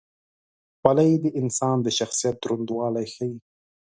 خولۍ د انسان د شخصیت دروندوالی ښيي.